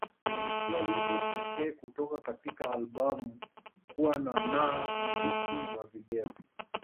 Ulikuwa wimbo pekee kutoka katika albamu kuwa na na muziki wa video.